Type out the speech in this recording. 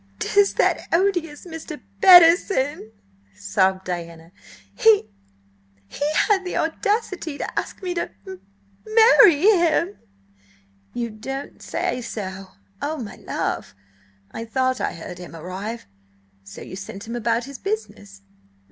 "'Tis that odious Mr. Bettison!" sobbed Diana "He–he had the audacity to ask me to m marry him!" "You don't say so, my love! I thought I heard him arrive. So you sent him about his business?"